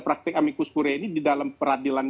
praktek amikus kuria ini di dalam peradilan